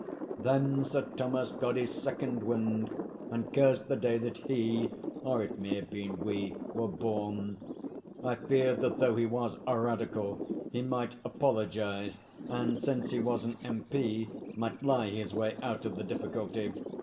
Then Sir Thomas got his second wind and cursed the day that he, or it may have been we, were born. I feared that though he was a Radical he might apologise and, since he was an M.P., might lie his way out of the difficulty.